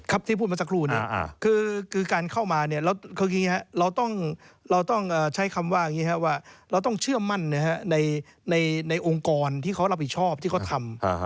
ที่พูดมาสักครู่นี้คือการเข้ามาเนี่ยเราต้องใช้คำว่าอย่างนี้ครับว่าเราต้องเชื่อมั่นในองค์กรที่เขารับผิดชอบที่เขาทำ